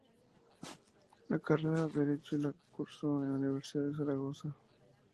La carrera de derecho la cursó en la Universidad de Zaragoza.